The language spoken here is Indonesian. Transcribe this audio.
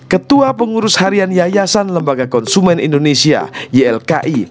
ketua pengurus harian yayasan lembaga konsumen indonesia ylki